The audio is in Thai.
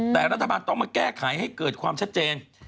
แต่รัฐบาลต้องมาแก้ไขให้เกิดความชัดเจน